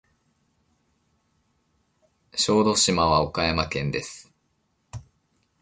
小豆島は岡山県です。